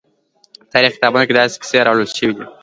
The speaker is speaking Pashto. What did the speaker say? تاریخي کتابونو کې داسې کیسې راوړل شوي.